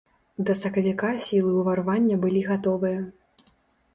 Да сакавіка сілы ўварвання былі гатовыя.